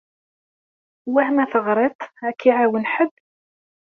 Wah ma teɣriḍ-d ad k-iɛawen ḥedd?